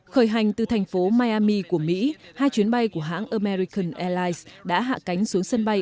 khởi hành từ thành phố miami của mỹ hai chuyến bay của hãng american airlines đã hạ cánh xuống sân bay